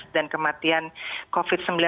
dan kematian covid sembilan belas